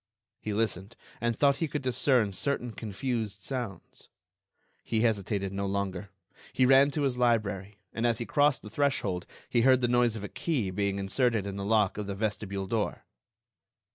He listened and thought he could discern certain confused sounds. He hesitated no longer. He ran to his library, and as he crossed the threshold he heard the noise of a key being inserted in the lock of the vestibule door.